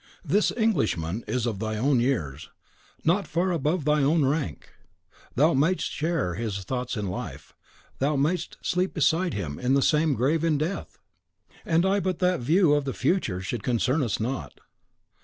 "This Englishman is of thine own years, not far above thine own rank. Thou mayst share his thoughts in life, thou mayst sleep beside him in the same grave in death! And I but THAT view of the future should concern us not.